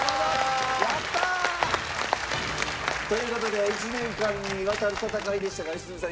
やったー！という事で一年間にわたる戦いでしたが良純さん